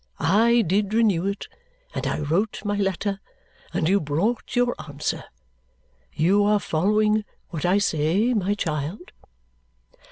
I did renew it, and I wrote my letter, and you brought your answer. You are following what I say, my child?"